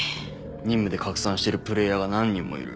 任務で拡散してるプレイヤーが何人もいる。